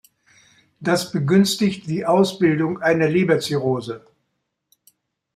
Das begünstigt die Ausbildung einer Leberzirrhose.